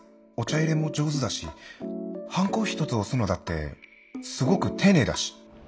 いれも上手だしハンコ一つ押すのだってすごく丁寧だし。